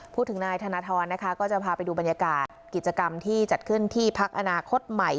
พูดถึงนายธนทรนะคะก็จะพาไปดูบรรยากาศกิจกรรมที่จัดขึ้นที่พักอนาคตใหม่